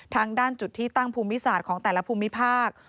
ทางด้านจุดที่ตั้งภูมิศาสตร์ของแต่ละภูมิภาค